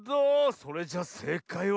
それじゃせいかいは。